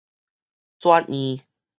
轉院